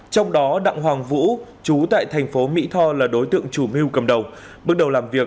trong đó đặng hoàng vũ chú tại thành phố mỹ tho là đối tượng chủ mưu cầm đầu bước đầu làm việc